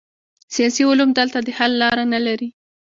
سیاسي علوم دلته د حل لاره نلري.